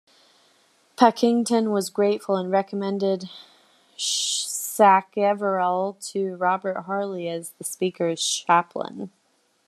Pakington was grateful and recommended Sacheverell to Robert Harley as the Speaker's chaplain.